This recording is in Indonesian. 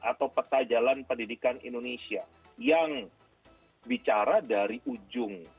atau peta jalan pendidikan indonesia yang bicara dari ujung